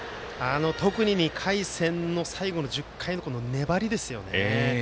特に２回戦の最後の１０回の粘りですよね。